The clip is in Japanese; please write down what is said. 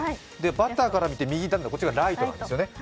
バッターから見て右がライトなんですよね。